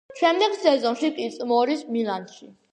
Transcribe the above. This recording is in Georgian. შემდეგ სეზონში კი წნორის „მილანში“.